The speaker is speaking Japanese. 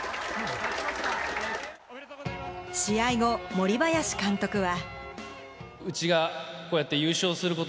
試合後、森林監督は。